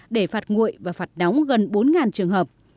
để phạt nguội và phạt nóng gần bốn trường hợp